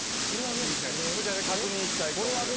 こちらで確認したいと思います。